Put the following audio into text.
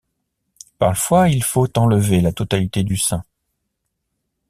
Parfois, il faut enlever la totalité du sein.